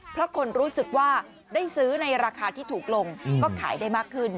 เพราะคนรู้สึกว่าได้ซื้อในราคาที่ถูกลงก็ขายได้มากขึ้น